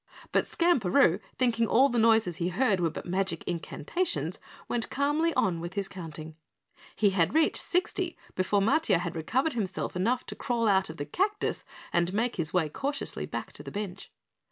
But Skamperoo, thinking all the noises he heard were but magic incantations, went calmly on with his counting. He had reached sixty before Matiah had recovered himself enough to crawl out of the cactus and make his way cautiously back to the bench.